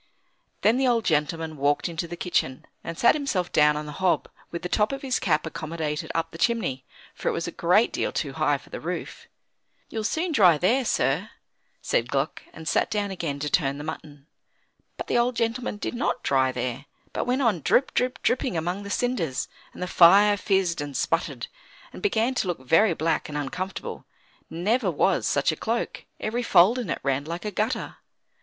Then the old gentleman walked into the kitchen, and sat himself down on the hob, with the top of his cap accommodated up the chimney, for it was a great deal too high for the roof. "You'll soon dry there, sir," said Gluck, and sat down again to turn the mutton. But the old gentleman did not dry there, but went on drip, drip, dripping among the cinders, and the fire fizzed and sputtered, and began to look very black and uncomfortable; never was such a cloak; every fold in it ran like a gutter.